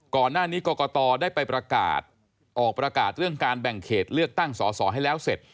ก่อนหน้านี้กรกตได้ไปประกาศออกประกาศเรื่องการแบ่งเขตเลือกตั้งสอสอให้แล้วเสร็จ